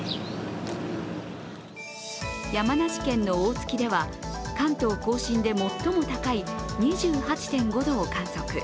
山梨県の大月では関東甲信で最も高い２８．５度を観測。